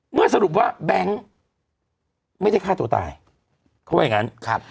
สรุปว่าแบงค์ไม่ได้ฆ่าตัวตายเขาว่าอย่างนั้น